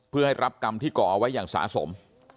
เพื่อให้รับกรรมที่ก่อเอาไว้อย่างสะสม